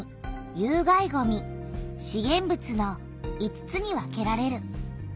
有害ごみ資源物の５つに分けられる。